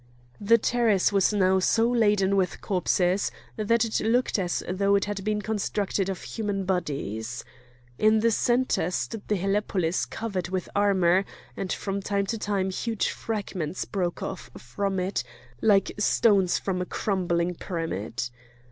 The terrace was now so laden with corpses that it looked as though it had been constructed of human bodies. In the centre stood the helepolis covered with armour; and from time to time huge fragments broke off from it, like stones from a crumbling pyramid.